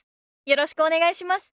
よろしくお願いします。